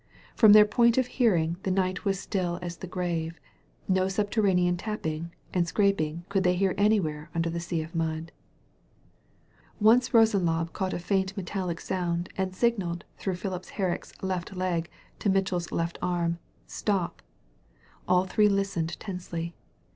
Prom their point of hearing the night was still as the grave — no subterranean tap ping and scraping could they hear anywhere under the sea of mud. Once Bosenlaube caught a faint metallic sound, and signalled through Fhipps Herrick's left leg to Mitchell's left arm, ''Stop!" All three listened tensely.